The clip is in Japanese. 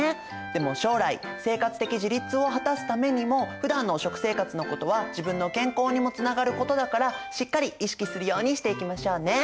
でも将来生活的自立を果たすためにもふだんの食生活のことは自分の健康にもつながることだからしっかり意識するようにしていきましょうね。